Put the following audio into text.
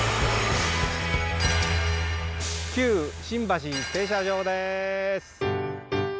旧新橋停車場です。